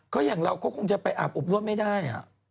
ก็อย่างเราก็คงจะไปอาบอบนวดไม่ได้